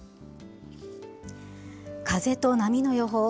風と波の予報。